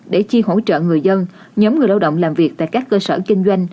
để chi hỗ trợ người dân nhóm người lao động làm việc tại các cơ sở kinh doanh